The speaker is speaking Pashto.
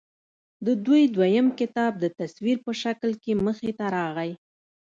د دوي دويم کتاب د تصوير پۀ شکل کښې مخې ته راغے